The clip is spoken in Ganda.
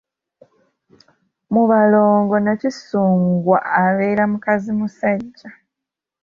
Mu balongo Nakisungwa abeera mukazimusajja.